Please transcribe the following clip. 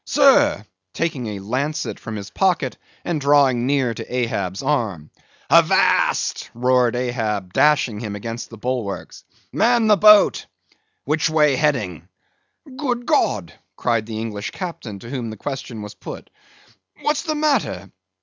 —sir!"—taking a lancet from his pocket, and drawing near to Ahab's arm. "Avast!" roared Ahab, dashing him against the bulwarks—"Man the boat! Which way heading?" "Good God!" cried the English Captain, to whom the question was put. "What's the matter?